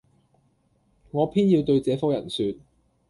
我偏要對這夥人説，